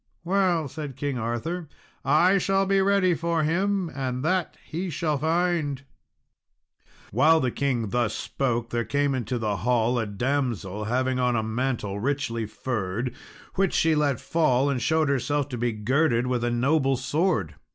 "Well," said King Arthur, "I shall be ready for him, and that shall he find." While the king thus spoke, there came into the hall a damsel having on a mantle richly furred, which she let fall and showed herself to be girded with a noble sword.